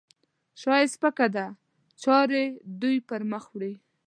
شا یې سپکه ده؛ چارې دوی پرمخ وړي.